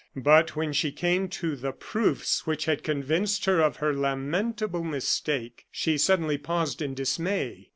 But when she came to the proofs which had convinced her of her lamentable mistake, she suddenly paused in dismay.